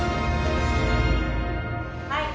はい。